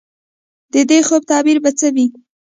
د دې خوب تعبیر به څه وي ؟